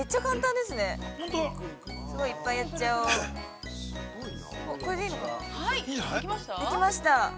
◆できました。